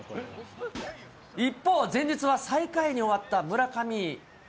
一方、前日は最下位に終わった村上。